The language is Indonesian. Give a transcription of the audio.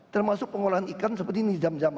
termasuk pengolahan ikan seperti ini